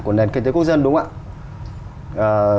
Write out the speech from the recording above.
của nền kinh tế quốc dân đúng không ạ